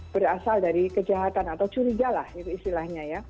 berasal dari kejahatan atau curiga lah itu istilahnya ya